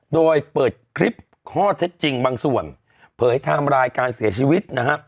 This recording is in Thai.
โดยเปิดคลิปข้อเท็จจริงบางส่วนเผยไทม์ไลน์การเสียชีวิตนะฮะ